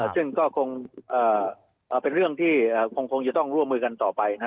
ซึ่งก็คงเป็นเรื่องที่คงจะต้องร่วมมือกันต่อไป